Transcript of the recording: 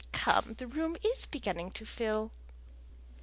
Come, the room is beginning to fill."